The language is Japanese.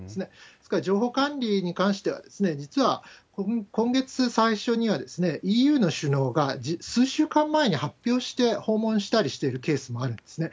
ですから、情報管理に関しては、実は今月最初には、ＥＵの首脳が数週間前に発表して訪問したりしているケースもあるんですね。